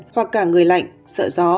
hoặc cả người lạnh sợ gió